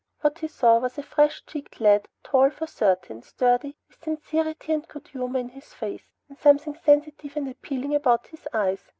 What he saw was a fresh cheeked lad tall for thirteen, sturdy, with sincerity and good humor in his face, and something sensitive and appealing about his eyes.